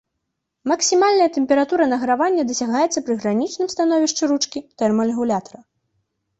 Максімальная тэмпература награвання дасягаецца пры гранічным становішчы ручкі тэрмарэгулятара.